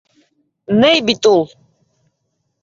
- Ней бит ул!